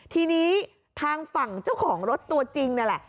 ทีนี้ทางฝั่งเจ้าของรถตัวจริงนั่นแหละ